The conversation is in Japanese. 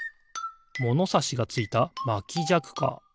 ものさしがついたまきじゃくか。